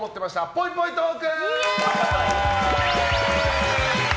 ぽいぽいトーク！